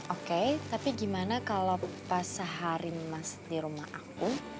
oke tapi gimana kalau pas sehari masuk di rumah aku